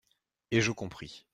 Et je compris.